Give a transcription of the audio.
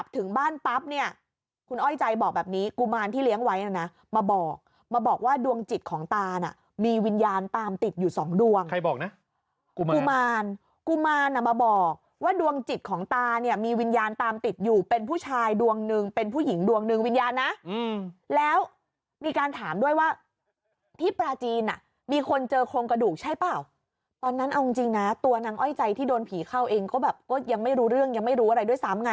ถึงบ้านปั๊บเนี่ยคุณอ้อยใจบอกแบบนี้กุมารที่เลี้ยงไว้นะมาบอกมาบอกว่าดวงจิตของตานะมีวิญญาณตามติดอยู่สองดวงใครบอกนะกุมารกุมารมาบอกว่าดวงจิตของตาเนี่ยมีวิญญาณตามติดอยู่เป็นผู้ชายดวงหนึ่งเป็นผู้หญิงดวงหนึ่งวิญญาณนะแล้วมีการถามด้วยว่าที่ปลาจีนมีคนเจอโครงกระดูกใช่เปล่าตอนนั้นเอาจริ